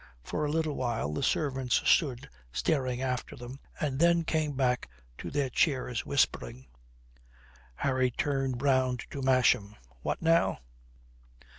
For a little while the servants stood staring after them, and then came back to their chairs whispering. Harry turned round to Masham. "What now?"